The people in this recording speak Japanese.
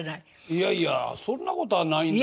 いやいやそんなことはない。